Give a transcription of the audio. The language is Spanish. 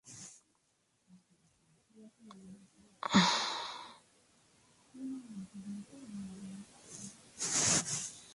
La Bandera de Tanzania deriva de la bandera de Zanzíbar y la de Tanganica.